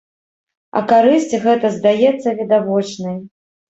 А карысць гэта здаецца відавочнай.